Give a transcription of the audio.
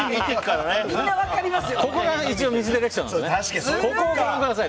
ここがミスディレクションなんです。